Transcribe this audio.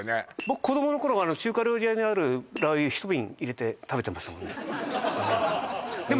僕子どもの頃は中華料理屋にあるラー油ひと瓶入れて食べてましたもんねねえ